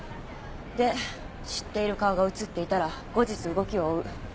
で知っている顔が写っていたら後日動きを追う。